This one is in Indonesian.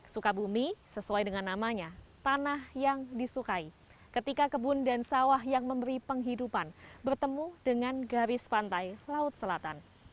sukabumi sesuai dengan namanya tanah yang disukai ketika kebun dan sawah yang memberi penghidupan bertemu dengan garis pantai laut selatan